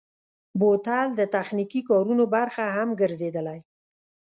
بوتل د تخنیکي کارونو برخه هم ګرځېدلی.